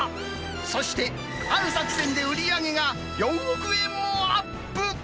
そしてある作戦で売り上げが４億円もアップ。